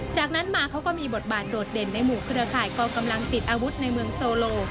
จากนั้นมาเขาก็มีบทบาทโดดเด่นในหมู่เครือข่ายกองกำลังติดอาวุธในเมืองโซโล